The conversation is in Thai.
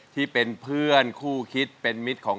ที่เป็นเพื่อนคู่คิดเป็นมิตรของ